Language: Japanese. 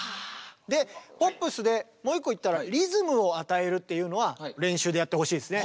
でポップスでもう１個言ったらリズムを与えるっていうのは練習でやってほしいですね。